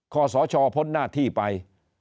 ขอสอชอพลนาที่ไป